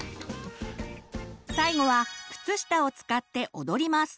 最後は靴下を使って踊ります！